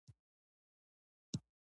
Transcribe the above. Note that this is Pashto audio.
پارلماني قواعد هم د پالیسۍ نمونې دي.